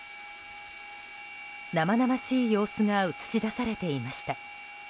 生々しい様子が映し出されていました。